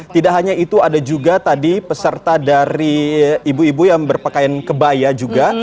tidak hanya itu ada juga tadi peserta dari ibu ibu yang berpakaian kebaya juga